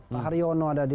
pak haryono ada di dkpp